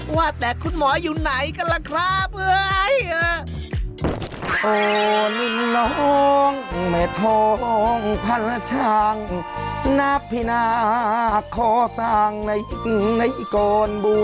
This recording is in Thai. ว่าแต่คุณหมออยู่ไหนกันล่ะครับเฮ้ย